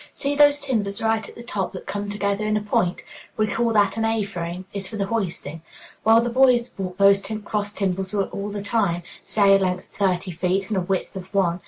See those timbers right at the top that come together in a point? We call that an A frame; it's for the hoisting. Well, the boys walk those cross timbers all the time, say a length of thirty feet and a width of one.